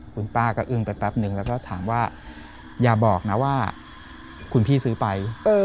คุณป้าก็อึ้งไปแป๊บนึงแล้วก็ถามว่าอย่าบอกนะว่าคุณพี่ซื้อไป